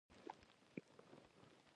جانداد د ښې لارې پلوی دی.